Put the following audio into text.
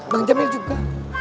bang jamil juga